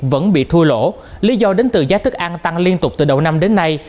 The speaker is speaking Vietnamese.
vẫn bị thua lỗ lý do đến từ giá thức ăn tăng liên tục từ đầu năm đến nay